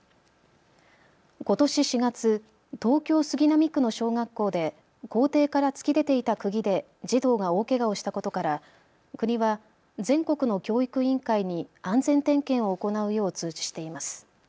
ことし４月、東京杉並区の小学校で校庭から突き出ていたくぎで児童が大けがをしたことから国は全国の教育委員会に安全点検を行うよう通知しています。